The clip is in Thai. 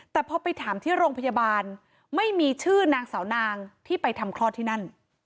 แต่พอไปถามที่โรงพยาบาลไม่มีชื่อนางสาวนางที่ไปทำคลอดที่นั่น